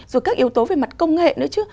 rồi các yếu tố về mặt công nghệ nữa chứ